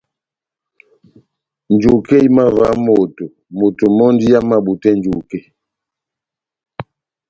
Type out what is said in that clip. Njuke ihimavaha moto, moto mɔ́ndi amabutɛ njuke.